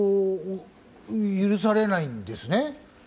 許されないんですね？